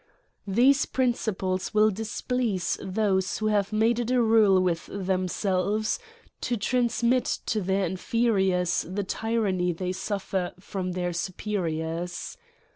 These principles will displease those who have made it a rule with themselves to transmit to their inferiors the tyranny they suffer from their supe D • 26 AN ESSAY ON riors.